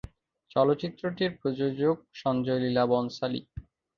চলচ্চিত্রটির প্রযোজক সঞ্জয় লীলা বনশালী।